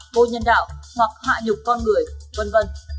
vô nhân đạo hoặc hạ nhục con người v v